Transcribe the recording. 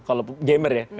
kalau gamer ya